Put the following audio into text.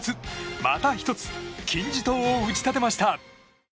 また１つ金字塔を打ち立てました。